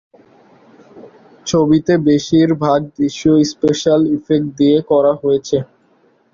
ছবিতে বেশির ভাগ দৃশ্য স্পেশাল ইফেক্ট দিয়ে করা হয়েছে।